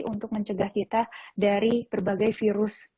untuk mencegah kita dari berbagai virus